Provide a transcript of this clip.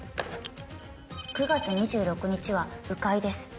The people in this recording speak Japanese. ９月２６日は「うかい」です。